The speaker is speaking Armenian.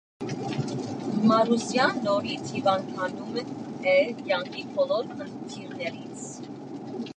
Մարուսյան նորից հիվանդանում է կյանքի բոլոր խնդիրներից։